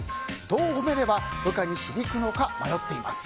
どう褒めれば部下に響くのか迷っています。